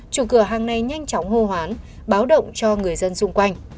chủ cửa hàng này nhanh chóng hô hoán báo động cho người dân xung quanh